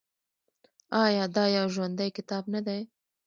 آیا دا یو ژوندی کتاب نه دی؟